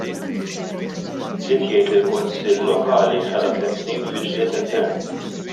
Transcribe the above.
Żied jgħid li l-Kunsill Lokali ħela tliet snin fi ġlied intern.